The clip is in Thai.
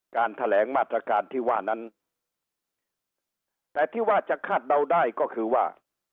การแถลงมาตรการที่ว่านั้นแต่ที่ว่าจะคาดเดาได้ก็คือว่า